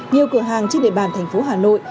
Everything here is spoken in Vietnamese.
nhiều cửa hàng trên địa bàn thành phố hà nội